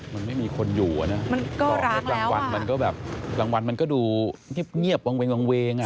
มันไม่มีคนอยู่อะนะรางวันมันก็ดูเงียบวังเวงอะ